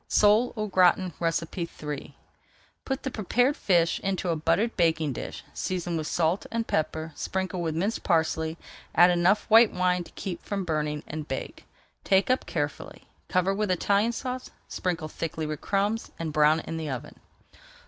SOLE AU GRATIN III Put the prepared fish into a buttered baking dish, season with salt and pepper, sprinkle with minced parsley, add enough white wine to keep from burning, and bake. Take up carefully, cover with Italian Sauce, sprinkle thickly with crumbs, and brown in the oven.